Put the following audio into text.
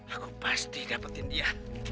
aku pasti dapetin dia